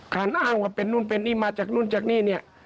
อ้างว่าเป็นนู่นเป็นนี่มาจากนู่นจากนี่เนี่ย